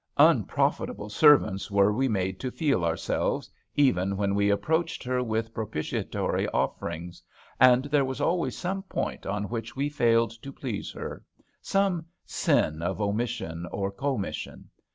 Unprofitable servants were we made to feel ourselves, even when we approached her with propitiatory offerings, and there was always some point on which we failed to please 41 HAMPSHIRE VIGNETTES her, some sin of omission or commission.